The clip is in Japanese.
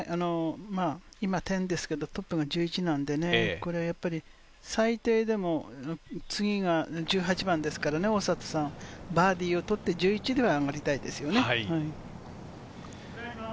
今、１０ですけれど、トップが１１なんで、最低でも、次が１８番ですから、大里さんはバーディーを取って、１１では上がりたいですよね。